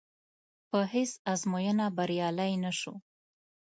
په هېڅ ازموینه بریالی نه شو.